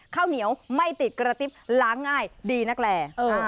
ข้าวเหนียวไม่ติดกระติ๊บล้างง่ายดีนักแล